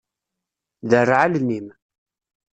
Derreɛ allen-im.